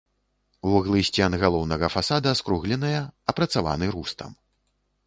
Вуглы сцен галоўнага фасада скругленыя, апрацаваны рустам.